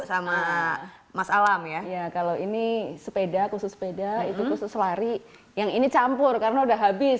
emas alam ya iya kalau ini sepeda khusus pedah itu khusus lari yang ini campur karena udah habis